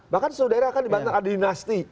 bahkan seluruh daerah kan di batang ada dinasti